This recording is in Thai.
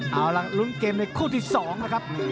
เอาล่ะลุ้นเกมในคู่ที่๒นะครับ